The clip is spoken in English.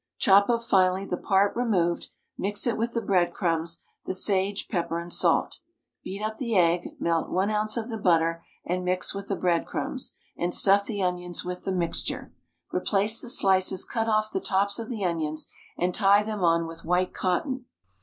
Chop up finely the part removed, mix it with the breadcrumbs, the sage, pepper, and salt. Beat up the egg, melt 1 oz. of the butter, and mix with the breadcrumbs, and stuff the onions with the mixture. Replace the slices cut off the tops of the onions, and tie them on with white cotton.